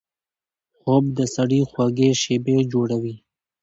خوب د سړي خوږې شیبې جوړوي